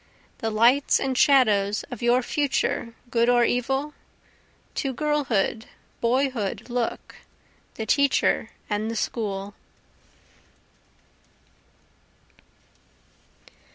The lights and shadows of your future, good or evil? To girlhood, boyhood look, the teacher and the school.